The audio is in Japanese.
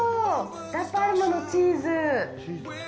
ラ・パルマのチーズ。